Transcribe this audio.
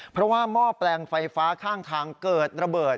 เพราะว่าหม้อแปลงไฟฟ้าข้างทางเกิดระเบิด